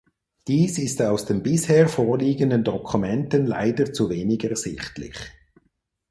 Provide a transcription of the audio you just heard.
Dies ist aus den bisher vorliegenden Dokumenten leider zu wenig ersichtlich.